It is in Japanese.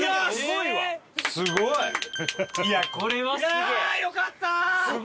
いやあよかった！